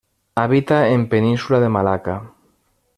Habita en Península de Malaca.